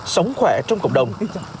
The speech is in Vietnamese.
sống khỏe trong cộng đồng